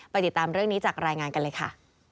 ติดตามเรื่องนี้จากรายงานกันเลยค่ะ